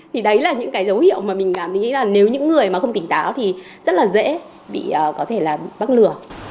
thì đấy là những cái dấu hiệu mà mình cảm thấy là nếu những người mà không tỉnh táo thì rất là dễ bị có thể là bị bắt lừa